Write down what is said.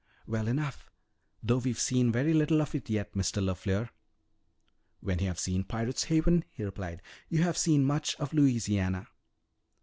"Well enough. Though we've seen very little of it yet, Mr. LeFleur." "When you have seen Pirate's Haven," he replied, "you have seen much of Louisiana."